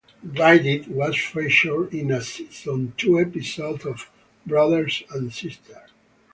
"Ride It" was featured in a season two episode of "Brothers and Sisters".